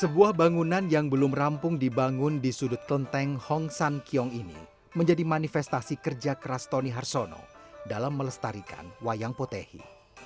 sebuah bangunan yang belum rampung dibangun di sudut kelenteng hong san kiong ini menjadi manifestasi kerja keras tony harsono dalam melestarikan wayang potehi